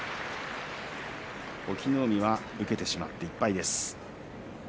隠岐の海は受けてしまって１敗です。